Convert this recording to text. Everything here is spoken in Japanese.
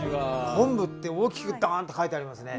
昆布って大きくダンって書いてありますね。